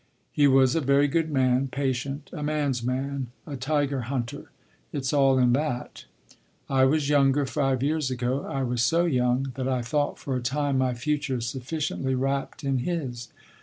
He was a very good man, patient, a man’s man—a tiger hunter. It’s all in that. I was younger five years ago. I was so young that I thought for a time my future sufficiently wrapped in his.